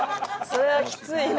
それはきついな。